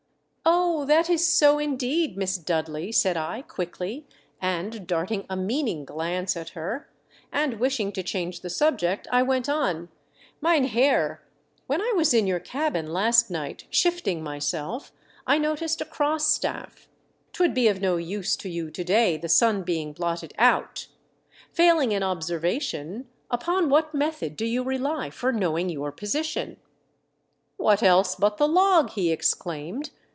"Oh! that is so indeed, Miss Dudley," said I, cuickly, cuid dariirg a m^^ning glance 174 "^^E DEATH S?IIP. at her ; and wishing to change the subject I went on — "Mynheer, when I was in your cabin last night shifting myself, I noticed a cross staff. 'Twould be of no use to you to day, the sun being blotted out. Failing an observation, upon what method do you rely for knowing your position ?" "What else but the log?" he exclaimed.